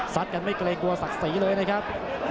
กันไม่เกรงกลัวศักดิ์ศรีเลยนะครับ